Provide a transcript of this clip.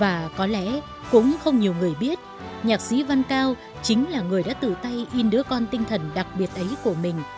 và có lẽ cũng không nhiều người biết nhạc sĩ văn cao chính là người đã tự tay in đứa con tinh thần đặc biệt ấy của mình